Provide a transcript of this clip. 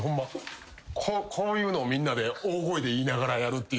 こういうのをみんなで大声で言いながらやるっていう。